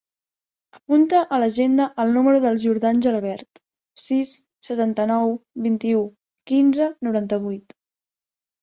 Apunta a l'agenda el número del Jordan Gelabert: sis, setanta-nou, vint-i-u, quinze, noranta-vuit.